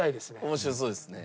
面白そうですね。